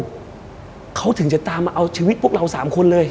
เขาถึงจะตามมาเอาชีวิตพวกเราสามคนเลย